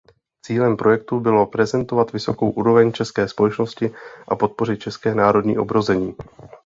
Cílem projektu bylo prezentovat vysokou úroveň české společnosti a podpořit české národní obrození.